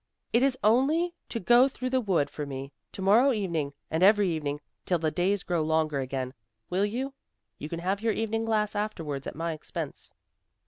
"It is only to go through the wood for me, to morrow evening, and every evening till the days grow longer again. Will you? You can have your evening glass afterwards at my expense."